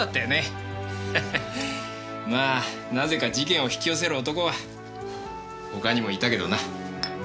まあなぜか事件を引き寄せる男は他にもいたけどな。